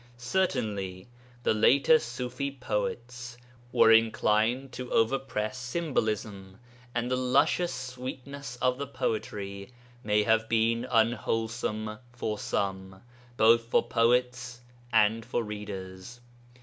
Certainly the later Ṣufi poets were inclined to overpress symbolism, and the luscious sweetness of the poetry may have been unwholesome for some both for poets and for readers.